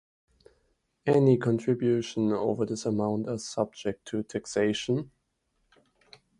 Any contributions over this amount are subject to taxation.